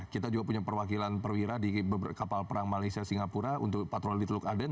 kita juga punya perwakilan perwira di kapal perang malaysia singapura untuk patroli teluk aden